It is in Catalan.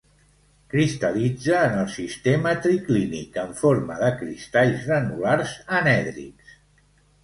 Cristal·litza en el sistema triclínic en forma de cristalls granulars anèdrics.